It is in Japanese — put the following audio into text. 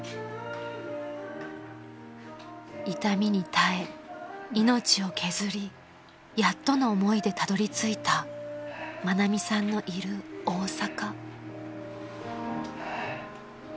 ［痛みに耐え命を削りやっとの思いでたどり着いた愛美さんのいる大阪］